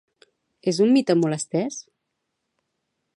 És un mite molt estès?